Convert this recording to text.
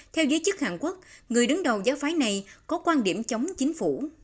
theo giới chức hàn quốc người đứng đầu giáo phái này có quan điểm chống chính phủ